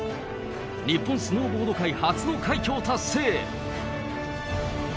日本スノーボード界初の快挙を達成。